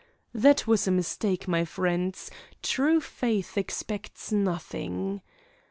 That was a mistake, my friends; true faith expecteth nothing.